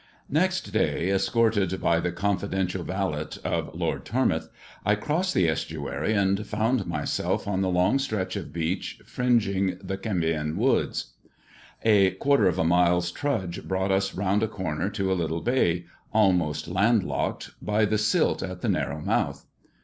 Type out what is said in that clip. Next day, escorted by the confidential valet of Lord Tormouth, I crossed the estuary, and found myself on the long stretch of beach fringing the Kempion wcxids. A. quarter of a mile's trudge brought us round a comer to a little bay, almost land locked by the silt at the narrow month.